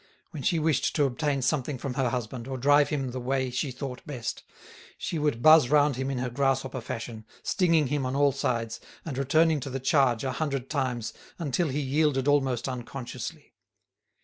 When she wished to obtain something from her husband, or drive him the way she thought best, she would buzz round him in her grasshopper fashion, stinging him on all sides, and returning to the charge a hundred times until he yielded almost unconsciously.